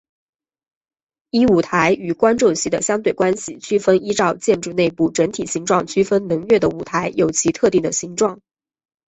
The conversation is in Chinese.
依舞台与观众席的相对关系区分依照建筑内部整体形状区分能乐的舞台有其特定的形状。